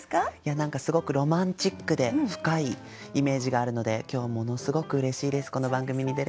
すごくロマンチックで深いイメージがあるので今日はものすごくうれしいですこの番組に出れて。